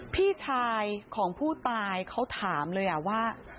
พี่ชายของผู้ตายเขาถามเลยว่า